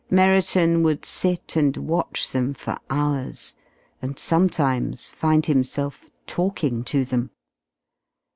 Merriton would sit and watch them for hours, and sometimes find himself talking to them.